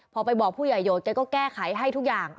พอไปบอกผู้ใหญ่โหดแกก็แก้ไขให้ทุกอย่าง